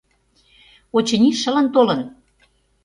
Очыни, шылын толын.